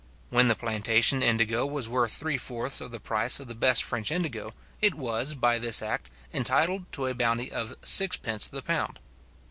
When the plantation indigo was worth three fourths of the price of the best French indigo, it was, by this act, entitled to a bounty of 6d. the pound.